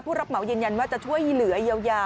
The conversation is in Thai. รับเหมายืนยันว่าจะช่วยเหลือเยียวยา